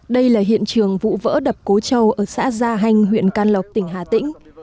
đây là hiện trường vụ vỡ đập cố châu ở xã gia hanh huyện can lộc tỉnh hà tĩnh